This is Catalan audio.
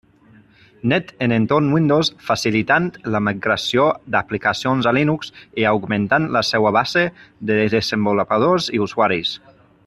Net en entorn Windows, facilitant la migració d'aplicacions a Linux i augmentant la seva base de desenvolupadors i usuaris.